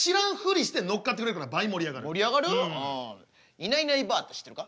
いないいないばあって知ってるか？